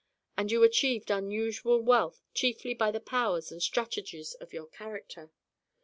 And you achieved unusual wealth chiefly by the powers and strategies of your character.